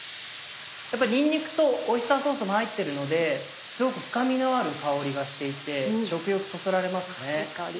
やっぱりにんにくとオイスターソースも入ってるのですごく深みのある香りがしていて食欲そそられますね。